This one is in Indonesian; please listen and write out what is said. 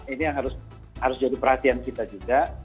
ini yang harus jadi perhatian kita juga